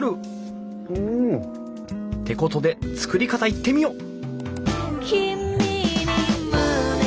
うん！ってことで作り方いってみよう！